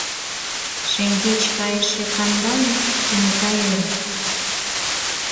Шеҥгеч кайыше Кандалин кенета ӧрӧ.